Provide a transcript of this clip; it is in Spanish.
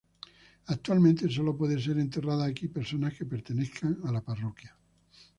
Actualmente sólo pueden ser enterradas aquí personas que pertenezcan a la parroquia.